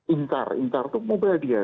intar intar itu mobile dia